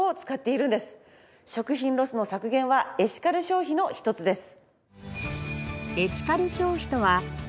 食品ロスの削減はエシカル消費の一つです。